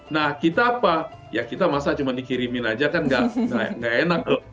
nah kita apa ya kita masak cuma dikirimin aja kan nggak enak